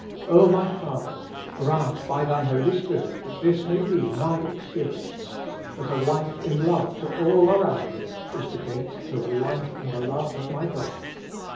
O my Father ! grant by the Holy Spirit that this may be my experience, that a life in love to all around me is the gate to a life in the love of my God.